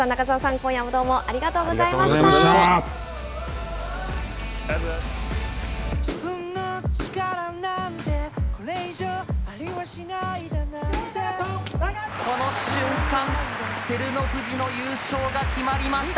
今夜もどうもありがとうございました。